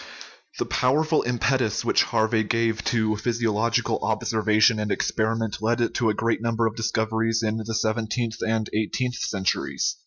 The powerful impetus which Harvey gave to physio logical observation and experiment led to a great num ber of discoveries in the sixteenth and seventeenth centuries.